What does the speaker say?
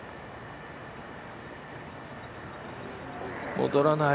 戻らない。